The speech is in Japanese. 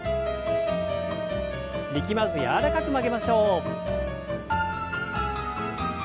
力まず柔らかく曲げましょう。